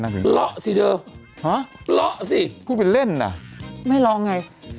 ห้ะละสิเธอละสิพูดเป็นเล่นนะไม่ละไง